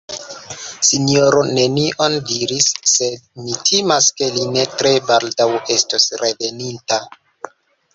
La Sinjoro nenion diris, sed mi timas, ke li ne tre baldaŭ estos reveninta.